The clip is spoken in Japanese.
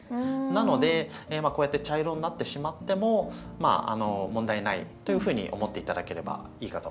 なのでこうやって茶色になってしまってもまあ問題ないというふうに思って頂ければいいかと思います。